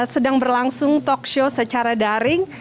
sedang berlangsung talkshow secara daring